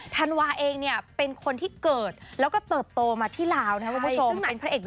ธันวาเองเป็นคนที่เกิดแล้วก็เติบโตมาที่ลาวนะครับคุณผู้ชม